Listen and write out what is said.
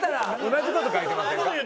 同じ事書いてませんか？